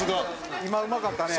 今うまかったね。